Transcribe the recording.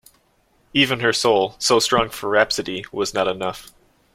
Even her soul, so strong for rhapsody, was not enough.